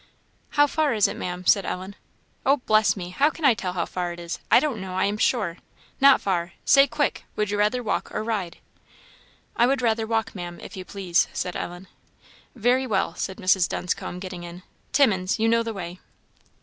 "How far is it, Maam?" said Ellen. "Oh, bless me! how can I tell how far it is? I don't know, I am sure not far; say, quick would you rather walk or ride?" "I would rather walk, Maam, if you please," said Ellen. "Very well," said Mrs. Dunscombe, getting in; "Timmins, you know the way."